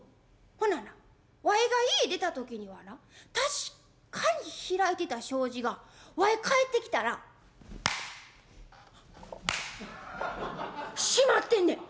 「ほななわいが家出た時にはな確かに開いてた障子がわい帰ってきたら閉まってんねん」。